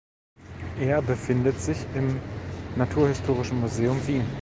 Er befindet sich im Naturhistorischen Museum Wien.